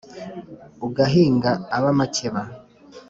ugahinga ab’amakeba